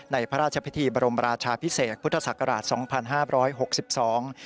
ในพระราชพิธีบรมราชาพิเศษพุทธศักราชสองพันห้าร้อยหกสิบสอง